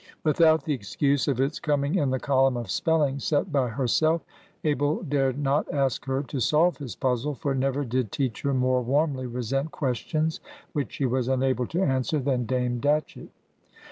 Without the excuse of its coming in the column of spelling set by herself, Abel dared not ask her to solve his puzzle; for never did teacher more warmly resent questions which she was unable to answer than Dame Datchett.